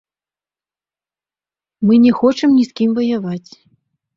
Мы не хочам ні з кім ваяваць.